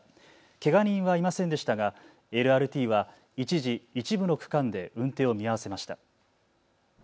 けが人はいませんでしたがＬＲＴは一時、一部の区間で運転を見合わせました。